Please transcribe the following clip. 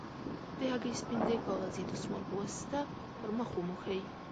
د هګۍ سپین د کاغذي دستمال په واسطه پر مخ وموښئ.